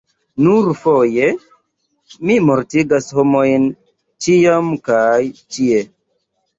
"Nur foje? Mi mortigas homojn ĉiam kaj ĉie."